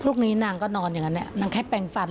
ลูกนี้นางก็นอนอย่างนั้นนางแค่แปลงฟัน